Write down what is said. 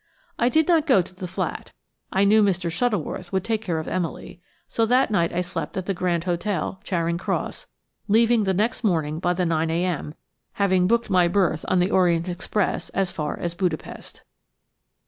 I did not go to the flat. I knew Mr. Shuttleworth would take care of Emily, so that night I slept at the Grand Hotel, Charing Cross, leaving the next morning by the 9.0 a.m., having booked my berth on the Orient Express as far as Budapest.